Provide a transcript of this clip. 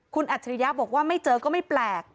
คุณอัจฉริยะบอกว่าไม่เจอก็ไม่แปลก